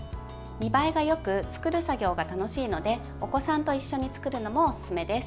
見栄えがよく作る作業が楽しいのでお子さんと一緒に作るのもおすすめです。